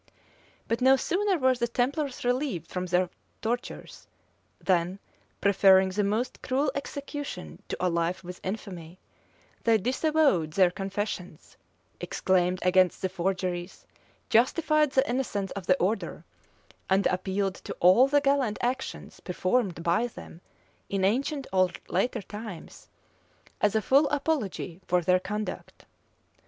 But no sooner were the templars relieved from their tortures, than, preferring the most cruel execution to a life with infamy, they disavowed their confessions, exclaimed against the forgeries, justified the innocence of their order, and appealed to all the gallant actions performed by them in ancient or later times, as a full apology for their conduct.